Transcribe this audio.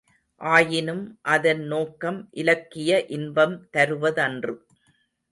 ஆயினும் அதன் நோக்கம் இலக்கிய இன்பம் தருவதன்று.